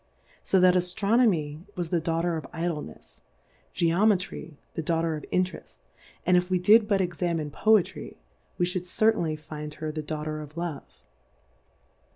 So that Aftronomj was the Daughter of Idlenefs^ Geometry the Daughter of J/^ terefi \ and if We did but examine Voe^ try^ we fliould certainly find her the Daughter of Love.